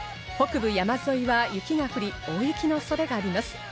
北部山沿いは雪が降り、大雪の恐れがあります。